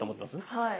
はい。